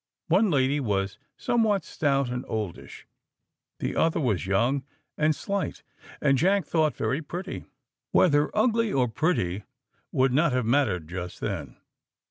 One lady was somewhat stout and oldish, the other was young and slight, and Jack thought very pretty. Whether ugly or pretty would not have mattered just then.